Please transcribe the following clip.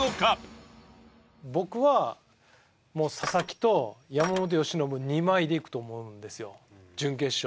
僕はもう佐々木と山本由伸２枚でいくと思うんですよ準決勝。